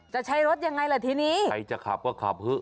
จะใช้รถยังไงล่ะทีนี้ใครจะขับก็ขับเถอะ